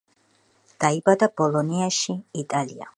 დაიბადა ბოლონიაში, იტალია.